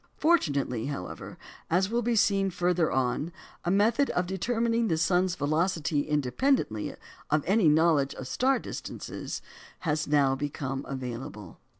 Fortunately, however, as will be seen further on, a method of determining the sun's velocity independently of any knowledge of star distances, has now become available.